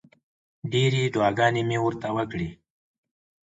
ډېرې دعاګانې مې ورته وکړې.